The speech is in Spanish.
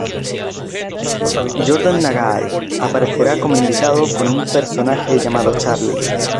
Jordan Nagai aparecerá como invitado con un personaje llamado Charlie.